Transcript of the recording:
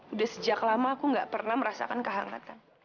udah sejak lama aku gak pernah merasakan kehangatan